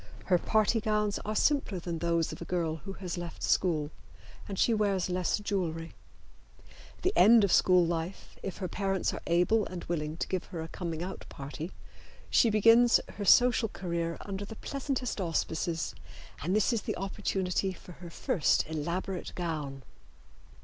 Her party gowns are simpler than those of a girl who has left school, and she wears less jewelry. At the end of school life, if her parents are able and willing to give her a coming out party, she begins her social career under the pleasantest auspices, and this is the opportunity for her first elaborate gown.